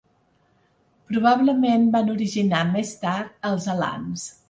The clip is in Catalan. Probablement van originar més tard els alans.